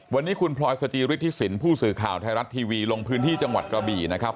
วันนี้คุณพลอยสจิฤทธิสินผู้สื่อข่าวไทยรัฐทีวีลงพื้นที่จังหวัดกระบี่นะครับ